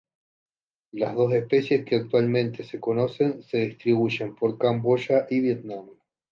Las dos especies que actualmente se conocen se distribuyen por Camboya y Vietnam.